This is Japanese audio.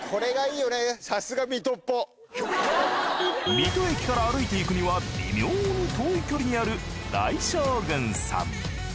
水戸駅から歩いていくには微妙に遠い距離にある大将軍さん。